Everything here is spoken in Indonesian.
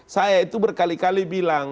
saya itu berkali kali bilang